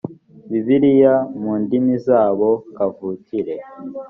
bibiliya mu ndimi zabo kavukire